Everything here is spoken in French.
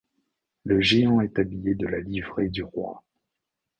Le géant est habillé de la livrée du roi.